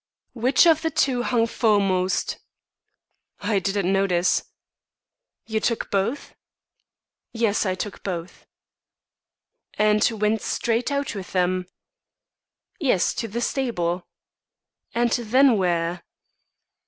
"Which of the two hung foremost?" "I didn't notice." "You took both?" "Yes, I took both." "And went straight out with them?" "Yes, to the stable." "And then where?"